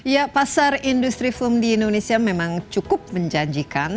ya pasar industri film di indonesia memang cukup menjanjikan